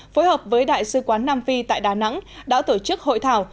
phối hợp với đại sứ quán nam phi tại đà nẵng đã tổ chức hội thảo